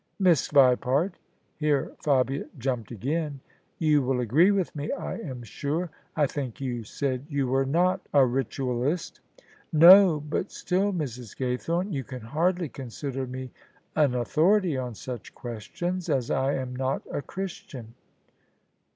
Miss Vipart —" here Fabia jumped again —" you will agree with me, I am sure : I think you said you were not a Ritualist." " No : but still, Mrs. Gaythorne, you can hardly con sider me an authority on such questions, as I am not a Christian."